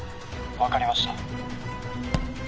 分かりました